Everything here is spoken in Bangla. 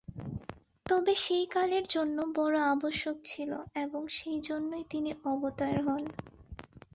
তবে সেই কালের জন্য বড় আবশ্যক ছিল এবং সেই জন্যই তিনি অবতার হন।